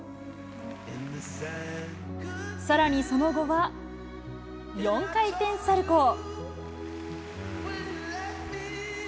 さらに、その後は４回転サルコー。